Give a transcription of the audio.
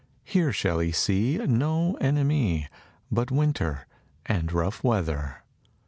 Here shall he see No enemy But winter and rough weather.